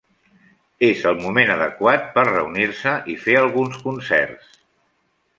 És el moment adequat per reunir-se i fer alguns concerts.